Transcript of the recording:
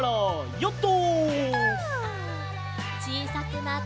ヨット！